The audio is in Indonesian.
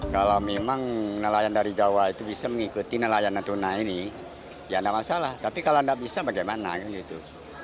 kalau memang nelayan dari jawa itu bisa mengikuti nelayan natuna ini ya ada masalah tapi kalau tidak bisa bagaimana kan gitu